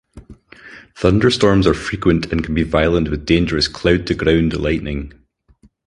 Thunderstorms are frequent and can be violent with dangerous cloud-to-ground lightning.